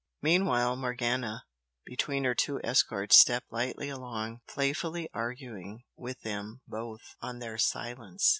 Meanwhile, Morgana, between her two escorts stepped lightly along, playfully arguing with them both on their silence.